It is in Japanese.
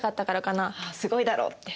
「すごいだろ」って。